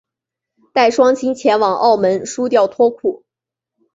带双亲前往澳门输到脱裤